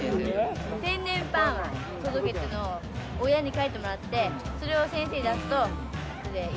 天然パーマ届っていうのを親に書いてもらって、それを先生に出すと、ＯＫ。